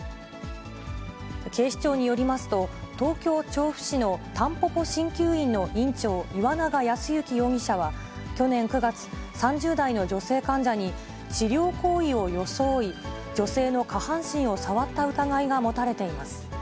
警視庁によりますと、東京・調布市のたんぽぽ鍼灸院の院長、岩永康幸容疑者は、去年９月、３０代の女性患者に、治療行為を装い、女性の下半身を触った疑いが持たれています。